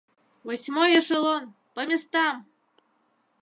— Восьмой эшелон, по местам!